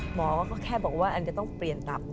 หมอก็แค่บอกว่าแอนจะต้องเปลี่ยนตับ